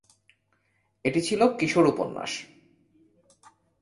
এটি ছিল কিশোর উপন্যাস।